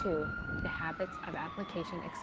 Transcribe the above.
II. THE HABITS OF APPLICATION, ETC.